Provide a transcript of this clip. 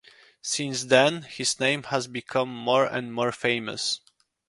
Since then his name has become more and more famous.